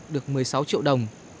được một mươi sáu triệu đồng